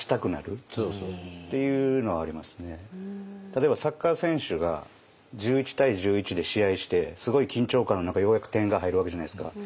例えばサッカー選手が１１対１１で試合してすごい緊張感の中ようやく点が入るわけじゃないですか。